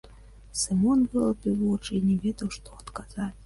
Сымон вылупіў вочы і не ведаў, што адказаць.